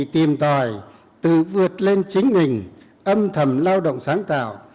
tìm tòi tự vượt lên chính mình âm thầm lao động sáng tạo